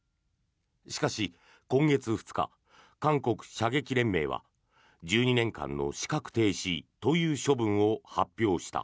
しかし、今月２日韓国射撃連盟は１２年間の資格停止という処分を発表した。